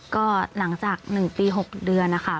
ก็หลังจาก๑ปี๖เดือนนะคะ